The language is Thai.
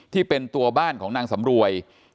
ที่เป็นตัวบ้านของนางสำรวย